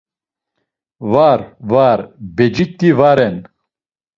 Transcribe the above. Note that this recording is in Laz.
Var, var, beciti va ren.